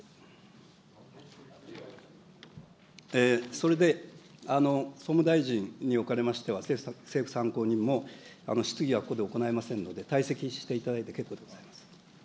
それで、総務大臣におかれましては政府参考人も質疑はここで行いませんので、退席していただいて結構でございます。